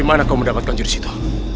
dari mana kau mendapatkan jurus itu